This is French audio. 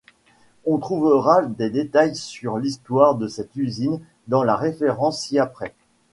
On trouvera des détails sur l'histoire de cette usine dans la référence ci-après.